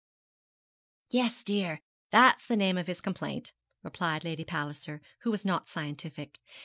'Yes, dear, that's the name of his complaint,' replied Lady Palliser, who was not scientific.